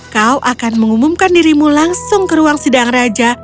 kau akan mengumumkan dirimu langsung ke ruang sidang raja